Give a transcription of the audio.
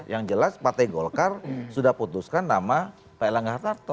yang jelas partai golkar sudah putuskan nama pak elangga hartarto